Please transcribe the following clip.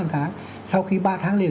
bốn năm tháng sau khi ba tháng liền